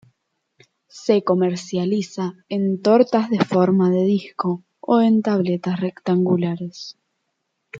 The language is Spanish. Se comercializa en tortas de forma de disco o en tabletas rectangulares.